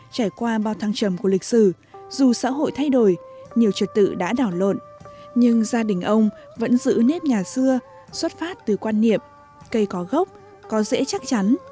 trải qua bao thăng trầm của lịch sử dù xã hội thay đổi nhiều trật tự đã đảo lộn nhưng gia đình ông vẫn giữ nếp nhà xưa xuất phát từ quan niệm cây có gốc có dễ chắc chắn